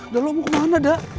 da lo mau kemana da